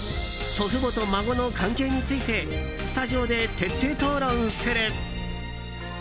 祖父母と孫のカンケイについてスタジオで徹底討論する。